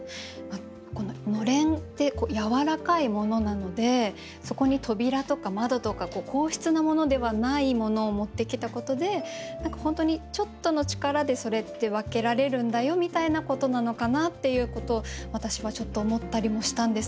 こののれんって柔らかいものなのでそこに扉とか窓とか硬質なものではないものを持ってきたことで何か本当にちょっとの力でそれって分けられるんだよみたいなことなのかなということを私はちょっと思ったりもしたんですけど。